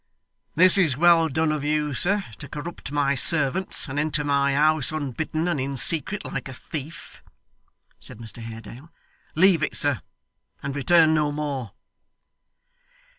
'This is well done of you, sir, to corrupt my servants, and enter my house unbidden and in secret, like a thief!' said Mr Haredale. 'Leave it, sir, and return no more.